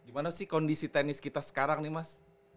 gimana sih kondisi tenis kita sekarang nih mas